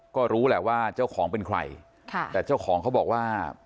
ก็รู้แหละว่าเจ้าของเป็นใครค่ะแต่เจ้าของเขาบอกว่า